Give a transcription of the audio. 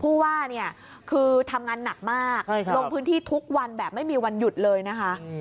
ผู้ว่าเนี่ยคือทำงานหนักมากลงพื้นที่ทุกวันแบบไม่มีวันหยุดเลยนะคะ